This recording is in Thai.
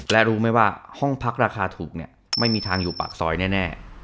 และรู้ไหมว่าห้องพักราคาถูกเนี่ยไม่มีทางอยู่ปากซอยแน่